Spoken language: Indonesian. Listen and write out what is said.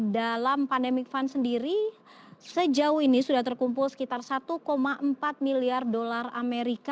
dalam pandemic fund sendiri sejauh ini sudah terkumpul sekitar satu empat miliar dolar amerika